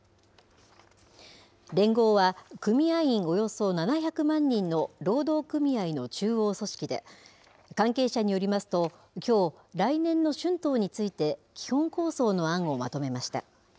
連合は組合員およそ７００万人の労働組合の中央組織で、関係者によりますと、きょう、来年の春闘について基本構想の案をまとめました。